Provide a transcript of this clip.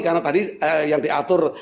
karena tadi yang diatur